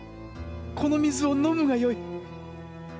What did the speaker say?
この水を飲むがよい。